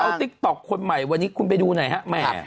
เอาติ๊กต๊อกคนใหม่วันนี้คุณไปดูหน่อยฮะแม่